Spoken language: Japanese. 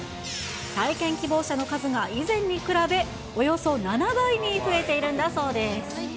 体験希望者の数が以前に比べ、およそ７倍に増えているんだそうです。